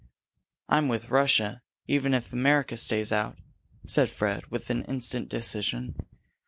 "I'm with Russia, even if America stays out," said Fred, with instant decision.